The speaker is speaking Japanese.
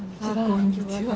こんにちは。